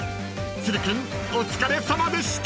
［都留君お疲れさまでした］